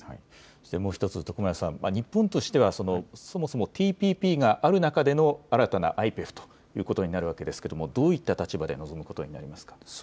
そしてもう１つ、徳丸さん、日本としてはそもそもＴＰＰがある中での新たなＩＰＥＦということになるわけですが、どういった立場で臨むことになりますか。